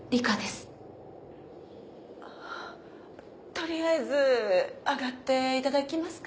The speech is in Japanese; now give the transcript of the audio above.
取りあえず上がっていただきますか？